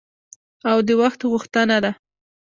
او د وخت غوښتنه ده.